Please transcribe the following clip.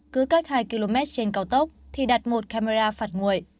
cứ cách hai km trên cao tốc thì đặt một camera phạt nguội